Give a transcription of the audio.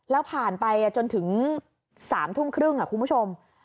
แล้วผ่านไปจนถึง๓ทุ่มครึ่งคุณผู้ชม